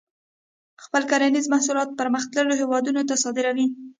خپل کرنیز محصولات پرمختللو هیوادونو ته صادروي.